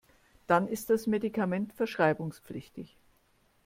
Dann ist das Medikament verschreibungspflichtig.